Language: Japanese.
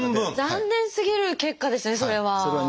残念すぎる結果ですねそれは。